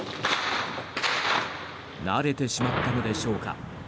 慣れてしまったのでしょうか。